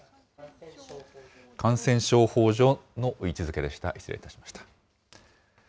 感染症法上の位置づけでした、失礼いたしました。